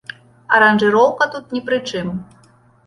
Аранжыроўка тут ні пры чым.